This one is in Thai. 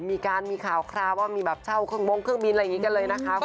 มีการมีข่าวคราวว่ามีแบบเช่าเครื่องมงเครื่องบินอะไรอย่างนี้กันเลยนะคะ